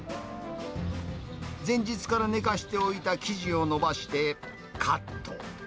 前日から寝かしておいた生地を延ばして、カット。